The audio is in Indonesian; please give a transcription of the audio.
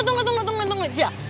eh tunggu tunggu tunggu tunggu